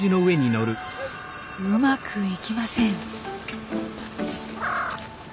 うまくいきません。